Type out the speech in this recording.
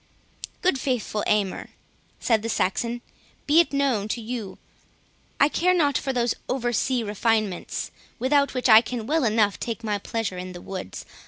"Good Father Aymer," said the Saxon, "be it known to you, I care not for those over sea refinements, without which I can well enough take my pleasure in the woods.